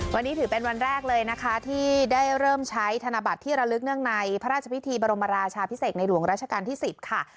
วันนี้ถือเป็นวันแรกเลยนะคะที่ได้เริ่มใช้ธนบัตรที่ระลึกเนื่องในพระราชพิธีบรมราชาพิเศษในหลวงราชการที่๑๐ค่ะ